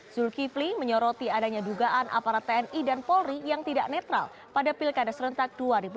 zulkifli menyoroti adanya dugaan aparat tni dan polri yang tidak netral pada pilkada serentak dua ribu delapan belas